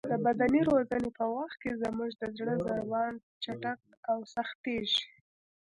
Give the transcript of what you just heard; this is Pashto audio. د بدني روزنې په وخت کې زموږ د زړه ضربان چټک او سختېږي.